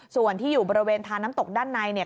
ส่วนที่อยู่บริเวณทาน้ำตกด้านในเนี่ย